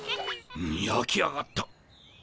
やき上がった。